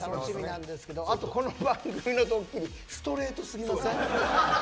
あと、この番組のドッキリストレートすぎません？